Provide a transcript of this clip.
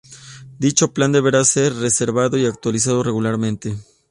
Dicho plan deberá ser revisado y actualizado regularmente.